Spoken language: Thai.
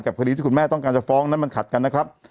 คดีที่คุณแม่ต้องการจะฟ้องนั้นมันขัดกันนะครับ